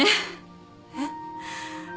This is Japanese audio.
えっ？